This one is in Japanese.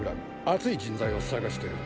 熱い人材を探してる。